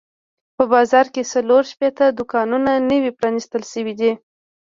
په بازار کې څلور شپېته دوکانونه نوي پرانیستل شوي دي.